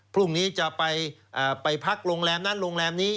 พรุ่งนี้จะไปพักโรงแรมนั้นโรงแรมนี้